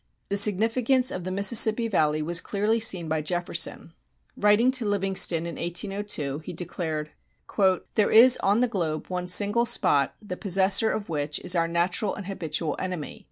The significance of the Mississippi Valley was clearly seen by Jefferson. Writing to Livingston in 1802 he declared: There is on the globe one single spot, the possessor of which is our natural and habitual enemy.